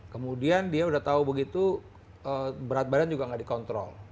kemudian dia udah tahu begitu berat badan juga nggak dikontrol